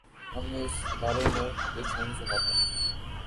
ہم نے اس کے بارے میں کچھ نہیں سنا تھا۔